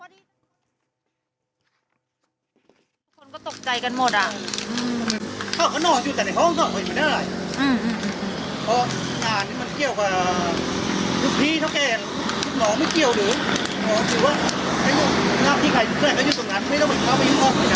ทุกคนก็ตกใจกันหมดอะเขาก็นอนอยู่แต่ในห้องก็เอาอีกมาได้